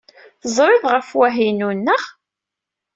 Terziḍ ɣef Wahinun, naɣ?